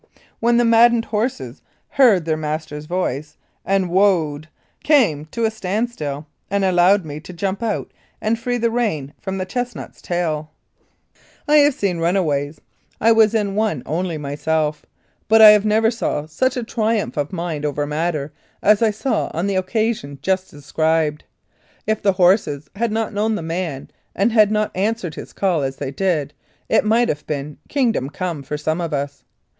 when the maddened horses heard their master's voice and "whoa ed," came to a standstill, and allowed me to jump out and free the rein from the chestnut's tail ! 77 Mounted Police Life in Canada I have seen runaways I was in one only myself but I never saw such a triumph of mind over matter as I saw on the occasion just described. If the horses had not known the man and had not answered his call as they did, it might have been "Kingdom Come" for some of us.